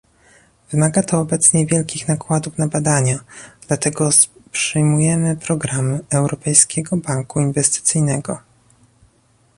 Wymaga to obecnie wielkich nakładów na badania, dlatego z przyjmujemy program Europejskiego Banku Inwestycyjnego